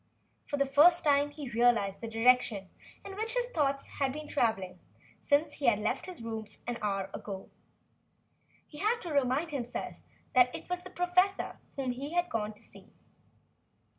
For the first time he realized the direction in which his thoughts had been travelling since he had left his rooms an hour ago. He had to remind himself that it was the professor whom he had come to see.